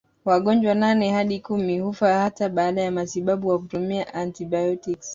Wagonjwa nane hadi kumi hufa hata baada ya matibabu kwa kutumia antibiotiki